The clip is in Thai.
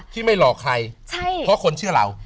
ที่ไม่หลอกใครเพราะคนเชื่อเรา